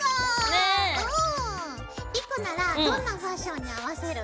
莉子ならどんなファッションに合わせる？